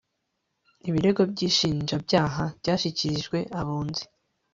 ibirego by ishinjabyaha byashyikirijwe abunzi